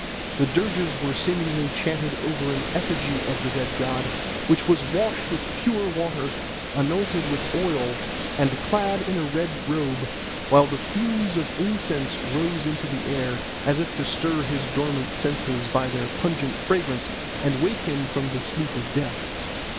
The dirges were seemingly chanted over an effigy of the dead god, which was washed with pure water, anointed with oil, and clad in a red robe, while the fumes of incense rose into the air, as if to stir his dormant senses by their pungent fragrance and wake him from the sleep of death.